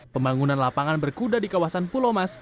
pembangunan lapangan berkuda di kawasan pulomas